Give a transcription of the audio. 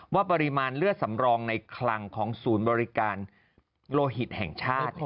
ปริมาณเลือดสำรองในคลังของศูนย์บริการโลหิตแห่งชาติ